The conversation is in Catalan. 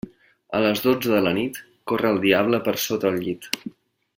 A les dotze de la nit, corre el diable per sota el llit.